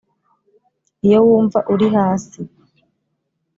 iyo wumva uri hasi,